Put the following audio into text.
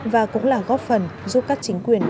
và cũng là góp phần giúp các chính quyền